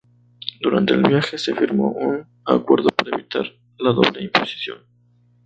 Durante el viaje se firmó un acuerdo para evitar la doble imposición.